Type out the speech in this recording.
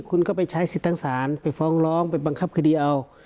คุณก็ไปใช้สิทธิ์ทางศาลไปฟ้องร้องไปบังคับคดีเอา